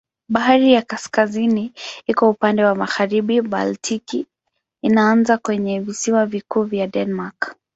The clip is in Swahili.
Bahari ya Kaskazini iko upande wa magharibi, Baltiki inaanza kwenye visiwa vikuu vya Denmark.